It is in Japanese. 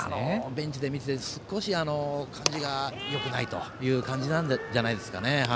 ベンチで見てて少し、よくないという感じなんじゃないですかね。